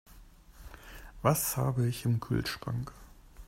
Was habe ich im Kühlschrank?